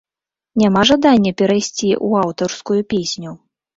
Няма жадання перайсці ў аўтарскую песню?